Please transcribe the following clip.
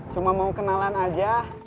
cuma mau kenalan aja